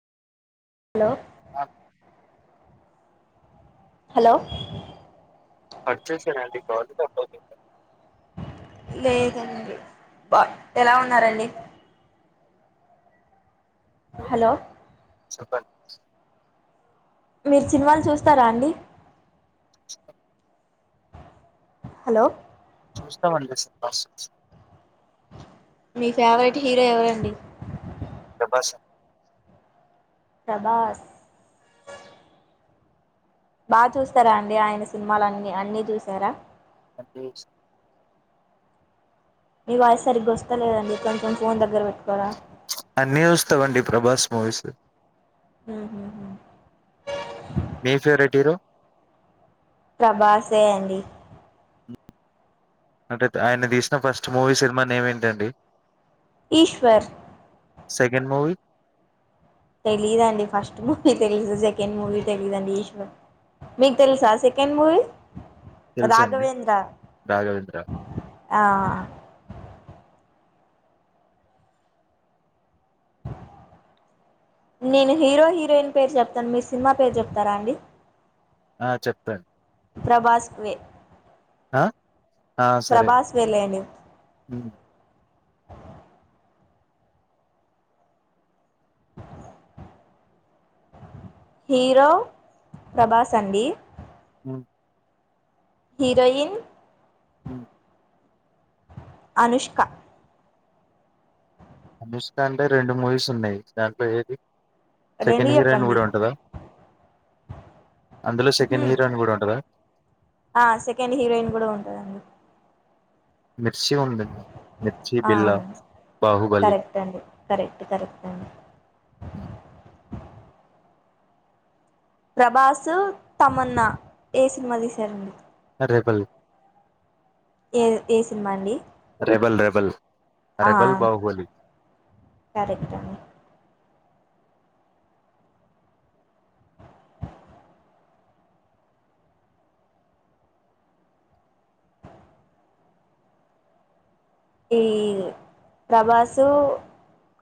Hello ఆ hello కార్జెసాన్నండీ బాధగా [inaudible] లేదండి బా ఎలా ఉన్నారండి హలో చెప్పన్ మీరు సినిమాలు చూస్తారా అండి హలో చూస్తామండి [inaudible] మీ ఫేవరెట్ హీరో ఎవరండి ప్రభాస్ ప్రభాస్ బా చూస్తారా అండి ఆయన సినిమలన్ని అన్ని చూసారా అని చూసాం మీ వాయిస్ సరిగ్గా వస్తాలేదండి కొంచెం ఫోన్ దగ్గర పెట్ అన్ని చూస్తాం అండి ప్రభాస్ మూవీసు హ్మ్ హు హ్మ్ మీ ఫేవరెట్ హీరో ప్రభాసే అండి అంటే ఆయన తీసిన ఫస్ట్ మూవీ సినిమా నేమ్ ఏంటండీ ఈశ్వర్ సెకండ్ మూవీ తెలీదండి ఫస్ట్ మూవీ తెలుసు సెకండ్ మూవీ తెలీదండి ఈశ్వర్ మీకు తెలుసా సెకండ్ మూవీ తెల్సఅండీ రాఘవేంద్ర రాఘవేంద్ర ఆ నేను హీరో హీరోయిన్ పేరు చెప్తాను మీ సినిమా పేరు చెప్తారా అండి ఆ చెప్తాను ప్రభాస్ కు వే ఆ ఆ సరే ప్రభాస్ వెేళ్ళని హ్మ్. హీరో ప్రభాస్ండీ మ్ హీరోయిన్ మ్ అనుష్క దుష్ట అంటే రెండు మూవీస్ ఉన్నాయి. దాంట్లో ఏది రెండు సెకండ్ హీరోయిన్ కూడా ఉంటదా చెప్పండి అందులో సెకండ్ హీరోయిన్ కూడా ఉంటదా ఉహుం. ఆ సెకండ్ హీరోయిన్ కూడా ఉంటదండి. మిర్చి ఉంది. మిర్చి, ఆ బిల్లా, అవును బాహుబలి కరెక్ట్ అండి కరెక్ట్ కరెక్ట్ అండి ప్రభాసు, తమన్న ఏ సినిమా తీశారండి. రెబల్ ఏ ఏ సినిమా అండి. రబల్ రెబల్ రెబల్ ఆ రెబల్ బాహుబలి సరే ఈ ప్రభాసు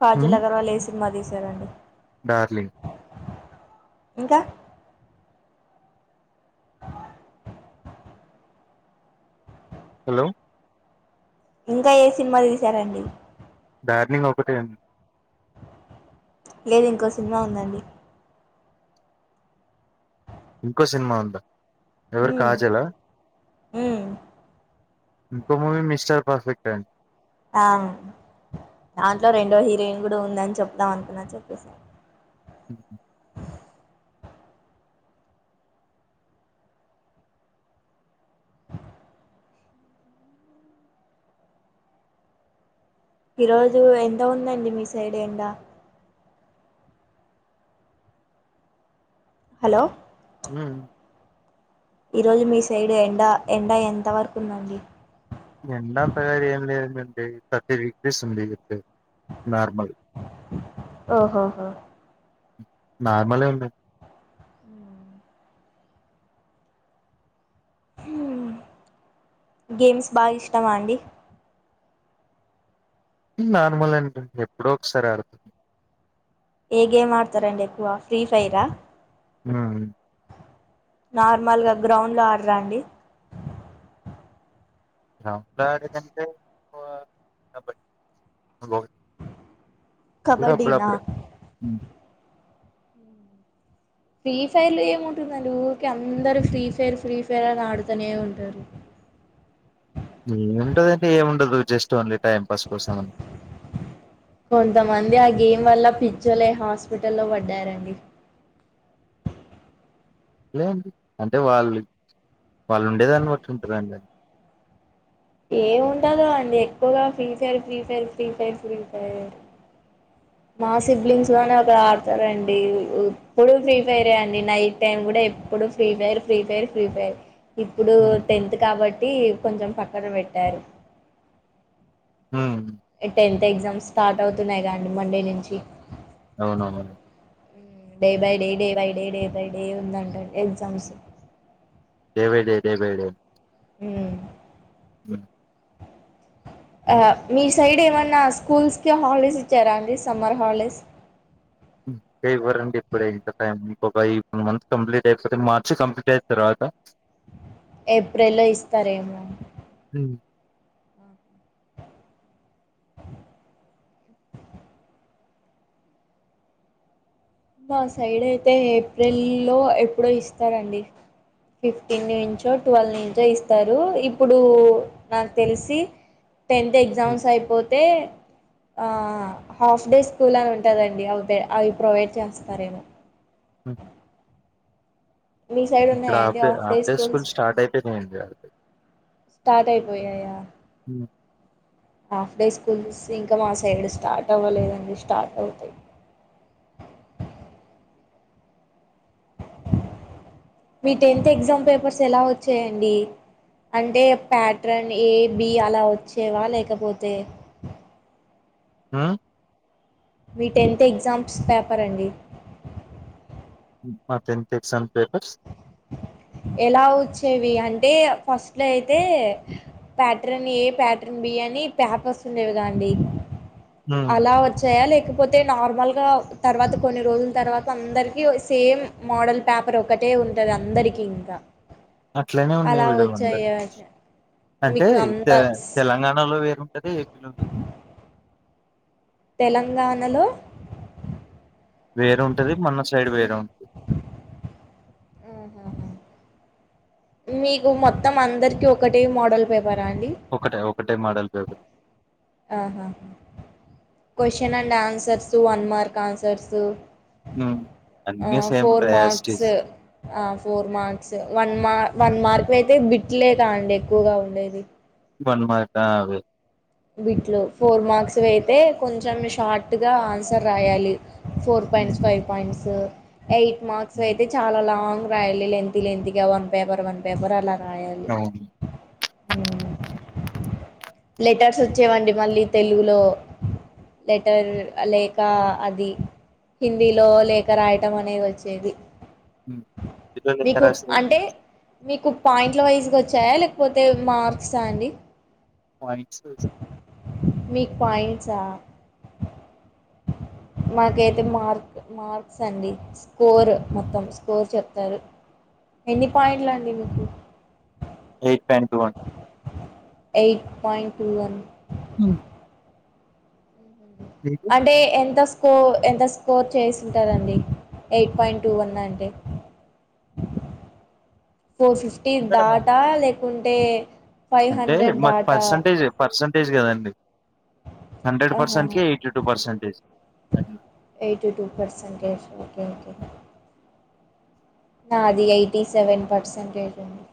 కాజల్ అగర్వాల్ ఎ సినీ సినిమా తీశారండి. డార్లింగ్ ఇంకా హలో ఇంకా ఏ సినిమా తీశారండి. డార్లింగ్ ఒకటే అండి. లేదు ఇంకో సినిమా ఉందండి. ఇంకో సినిమా ఉందా ఎవరు మ్మ్ కాజాల మ్మ్ ఇంకో మూవి మిస్టర్ పర్ఫెక్ట్ అండి ఆ దాంట్లో రెండో హీరోయిన్ కూడా ఉందని చెప్దాం. అనుకున్నా చెప్పేసి మ్ ఈరోజు ఎంత ఉందండి. మీ సైడ్ ఎండ హలో హ్మ్ ఈరోజు మీ సైడు ఎండా ఎండా ఎంతవరకు ఉందండి. ఎండా అంతగా ఏం లేదు అండి. థర్టీ డిగ్రీస్ ఉంది అంతే నార్మల్ ఓ ఓ ఓ నార్మలే ఉందండి. ఉ హ గేమ్స్ బాగా ఇష్టమా అండి. నార్మల్ అండి ఎప్పుడో ఒకసారి ఆడ్తా ఏ గేమ్ ఆడతారండి. ఎక్కువ ఫ్రీ ఫైరా ఆ నార్మల్గా గ్రౌండ్ లో ఆడరాండి. గ్రౌండ్లో ఆడేకంటే కబడ్డీ కబడ్డీనా అప్పుడప్పుడే ఫ్రీ ఫైర్ లో ఏముంటుందండి. ఊకే అందరు ఫ్రీ ఫైర్ ఫ్రీ ఫైర్ అని ఆడతనే ఉంటారు. ఏ ఉంటదండి. ఏ ఉండదు జస్ట్ ఓన్లీ టైం పాస్ కోసం కొంతమంది ఆ గేమ్ వల్ల పిచ్చోలై హాస్పిటల్ల్లో పడ్డారండి. అండీ. అంటే వాళ్ళు వాళ్ళు ఉండేదాన్ని బట్టి ఉంటదాండి. ఏముంటందో అండి ఎక్కువగా Free Fire Free Fire Free Fire Free Fire మా సిబ్లింగ్స్ లోనే ఒకరు ఆడతారండి ఎప్పుడు ఫ్రీ ఫైర్ అండి నైట్ టైం కూడా ఎప్పుడు Free Fire Free Fire Free Fire ఇప్పుడు టెన్త్ కాబ ట్టి కొంచెం పక్కన పెట్టారు హ్ టెన్త్ ఎగ్జామ్స్ స్టార్ట్ అవుతున్నాయిగా అండి మండే నుంచి అవునవును day by day day by day day by day ఉందంటండి exams day by day day by day uh [inaudible] me side ఏమన్నా స్కూల్స్కి హాలిడేస్ ఇచ్చారా అండి సమ్మర్ హాలిడేస్ ఎ ఇవ్వరండి ఇప్పుడింత టైం ఇం ఒక యి ఇప్పుడు ఈ మంత్ కంప్లీట్ అయిపోతే మార్చి కంప్లీట్ అయిన తర్వాత ఏప్రిల్ల్లో ఇస్తారేమో ఉ మా సైడ్ అయితే ఏప్రిల్లో ఎప్పుడో ఇస్తారండి ఫిఫ్టీన్ నుంచో ట్వల్వ్ నుంచో ఇస్తారు ఇప్పుడు నాకు తెలిసి టెన్త్ ఉమ్, ఎగ్జామ్స్ అయిపో తే ఆ హాఫ్ డే స్కూల్ అని ఉంటుందండి అవి అవి ప్రొవైడ్ చేస్త స్తారేమో అ [unintelligible] మీ సైడ్ ఇక్కడ ఉన్నాయండి half day half day half day schools school start అయిపోనాయండి అం స్టార్ట్ అయిపోయా ఉ హాఫ్ డే స్కూల్స్ ఇంకా మా సైడ్ స్టార్ట్ అవ్వలేదండి స్టార్ట్ అవుతాయి మీ టెన్త్ ఎగ్జామ్ పేపర్స్ ఎలా వచ్చాయండి అంటే పాటర్న్ ఏ బి అలా వచ్చేవా లేకపోతే ఆ మీ టెన్త్ ఎగ్జామ్స్ పేపర్ అండి మ టెన్త్ ఎగ్జామ్ పేపర్స్ ఎలా వచ్చేవి అంటే ఫస్ట్లో అయితే ప్యాటర్న్ ఏ ప్యాటర్న్ బి అని పేపర్స్ ఉండేవిగాండి ఉమ్, అలా వచ్చాయా లే లేకపోతే నార్మల్ గా తర్వాత కొన్ని రోజుల తర్వాత అందరికి సేమ్ మోడల్ పేపర్ ఒకటే ఉంటది అందరికి కి ఇంక అట్లనే ఉన్నాయి అలా మేడమ్ అందరు వచ్చాయ అంటే మీకు అంత తె తెలంగాణలో వేరుంటది ఏపీలో వేరుంటది తెలంగాణలో వేరుంటది మన సైడ్ వేరుంటది హుహు మీకు మొత్తం అందరికి ఒకటే మోడల్ పేప్ ఒకటే ఒకటే మోడల్ పేపర్ ఆహాహ question and answers one mark answers అ అన్నీ సేమ్ ఫోర్ ఉంటాయి మార్క్స్ యాస్టీస్ అ ఫోర్ మార్క్స్ వన్ మార్ వన్ మార్క్ అయితే బిట్లే గా అండి ఎక్కువగా ఉండేది వన్ మార్క్ ఆహ్ అవ్వీ బీట్లో ఫోర్ మార్క్స్ వయితే కొంచెం షార్ట్గా ఆన్సర్ రాయాలి four points five points um, eight marks ఉమ్, ఐతే చాల లాంగ్ రాయలి లెంతి లేంతిగా వన్ పేపర్ వన్ పేపర్ అలా రాయాలి అవును ఊ లెటర్స్ ఒచ్చేవండి మళ్ళీ తెలుగులో లెటర్ లేక అది హిందీలో లేక రాయటం అని వచ్చేది ఉమ్ మీకు రశరు మీకు పాయింట్ల వైజ్గ ఒచ్చాయా లెక్పోతే మార్క్సా అండి పాయింట్స్ వైజ్ మీక్ పాయింట్సా మాకైతె మార్క్ మార్క్స్ అండి స్కోర్ మోత్తం స్కోర్ చెప్ తారు ఎన్ని పాయింట్లండి మీకు ఎయిట్ ప్యాంటూ అన్ eight point two one um అంటే ఎంతొస్ ఫో ఎంత స్కోర్ చేసింటరండి ఎయిట్ పాయింట్ టూ వన్ అంటే ఫోర్ ఫిఫ్టీన్ దాటా లేక్ కుంటే అంటే మాక్ పర్సంటేజే పర్సంటేజ్ కదండి హండ్రెడ్ హాహ పర్సెంట్ కి ఎయిటీ టూ పర్సెంటేజ్ అట్లా eighty two percentage okay okay నాది ఎయిటీ సెవెన్ పర్సెంటేజ్ అండి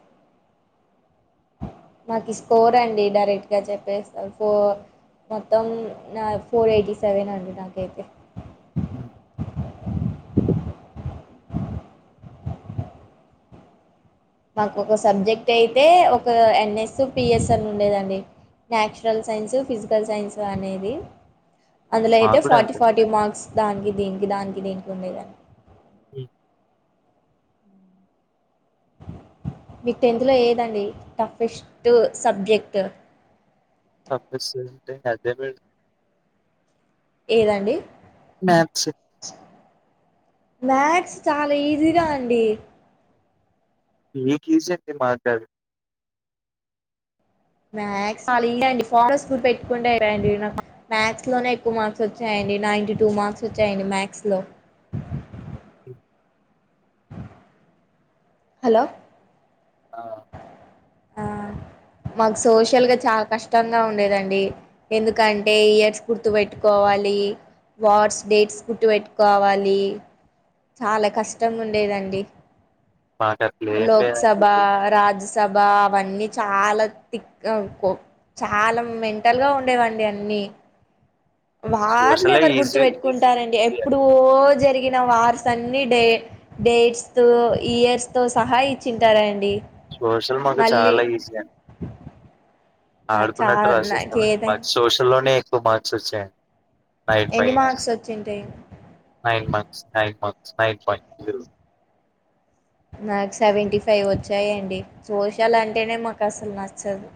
మాకి స్కోర్ అండి డైరెక్ట్గా చెప్పేస్తా ఫో మొత్తం నా ఫోర్ ఎయిటీ సెవెన్ అండి నాకైతే మాకు ఒక సబ్జెక్ట్ అయితే ఒక ఎన్ఎస్, పిఎస్ అని ఉండేదండి న్యాచురల్ సైన్స్, ఫిజికల్ సైన్స్ అనేది అందులో ఐతే మాకు కూడా ఫార్టీ అంతే ఫార్టీ మార్క్స్ దానికి దీనికి దానికి దీనికి ఉందిగ మ్ మీక్ టెన్త్ లో ఏదండి టఫెస్ట్ సబ్జెక్ట్ టఫ్ఫస్ అంటె అదే మెడ్ ఏదండీ మ్యాథ్స్ మ్యాథ్స్ చాన ఈజీగా అండి మీకు ఈజీ అండి మాక్ గాదు మ్యాథ్స్ చాలా ఈజీ అండి ఫార్ములాస్ గుర్తుపెట్టుకుంటే అయిపోయండి నాకు మథ్స్ లోనే ఎక్కువ మార్క్స్ ఒచ్చాయండి నైన్టీ టూ మార్క్స్ ఒచ్చాయండి మ్యాథ్స్ లో హలో ఆ ఆ మాక్ సోషల్గ చాల కష్టంగా ఉండేదండి ఎందుకంటే ఇయర్స్ గుర్తుపెట్టుకోవాలి, వార్స్ డేట్స్ గుర్తుపెట్టుకోవాలి చాలా కష్టంగుండేదండి మాకు అట్లా ఏం లోక్ లేదండి సభా, రాజ్య స్ సభా అవన్నీ చాలా తిక్ కో కొ చాలా మెంటల్గా ఉండేవండి అన్నీ వార్లు సోషలే ఎవర్ గుర్తు ఈజీ ఈజీ పెట్టుకుంటారండి ఈజీ ఎప్పుడో జర్ జరిగిన వార్స్ అన్ని డే డేట్స్ తో ఇయర్స్ తో సహా ఇచ్చింటారండి సోషల్ మాకు మళ్ళీ చాలా ఈజీ అండి నాకు చా ఆడుకున్నట్టు నాకు రాసిస్తామండి ఏదైనా మాకు సోషల్ లోనే ఎక్కువ మార్క్స్ వచ్చాయండి నైట్ ఎన్ని బైక్స్ మార్క్స్ వచ్చింటాయి నైన్ మంత్స్ నైట్ మక్ నైన్ పాయింట్ టూ నాకు సెవెంటీ ఫైవ్ వచ్చాయండి సోషల్ అంటేనే మాకు అసలు నచ్చదు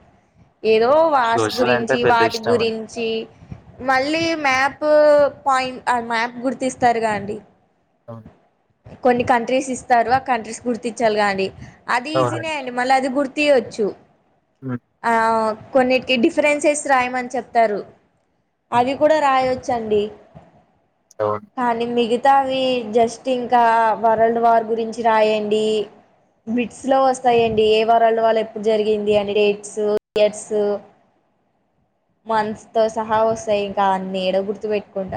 ఏదో వార్స్ సోషల్ అంటే గురించి పెద్ద వాటి ఇష్టం అండి గురించి మళ్ళీ మ్యాపూ పాయింట్ ఆ మ్యాప్ గుర్తిస్తారు గదా అండి అవును కొన్ని కంట్రీస్ ఇస్తారు ఆ కంట్రీస్ గుర్తించాలి గా అండి అది ఈజీనే అవునండి అండి మళ్ళ అది గుర్త్ తి వచ్చు ఉమ్, ఆ కొన్నిటికి డిఫరెన్సెస్ రాయమని చెప్తారు ఉమ్, అవి కూడా రాయో వచ్చండి అవును కానీ మిగి తవి జస్ ట్ ఇంకా వరల్డ్ వార్ గురించి రాయండి బిట్స్ లో వస్తాయండి ఏ వరల్డ్ వార్ ఎప్పుడు జరిగింది అని డేట్స్ ఇయర్స్ మంత్స్ తో సహా వస్తాయి ఇంకా అన్నీ ఏడ గుర్తు పెట్టుకుంటామండి